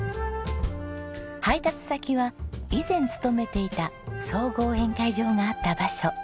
配達先は以前勤めていた総合宴会場があった場所。